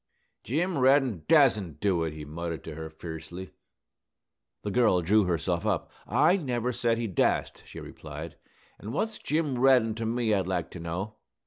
"Jim Reddin dasn't do it," he muttered to her, fiercely. The girl drew herself up. "I never said he dast," she replied. "An' what's Jim Reddin to me, I'd like to know?"